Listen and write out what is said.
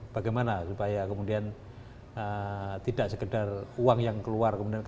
bagaimana supaya kemudian tidak sekedar uang yang keluar